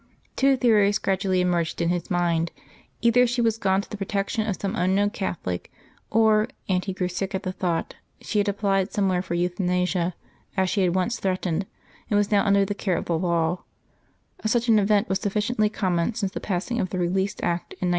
Two theories gradually emerged, in his mind; either she was gone to the protection of some unknown Catholic, or and he grew sick at the thought she had applied somewhere for Euthanasia as she had once threatened, and was now under the care of the Law; such an event was sufficiently common since the passing of the Release Act in 1998.